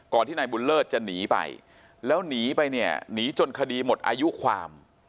ที่นายบุญเลิศจะหนีไปแล้วหนีไปเนี่ยหนีจนคดีหมดอายุความ